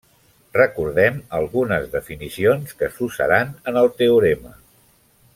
Recordem algunes definicions que s'usaran en el teorema.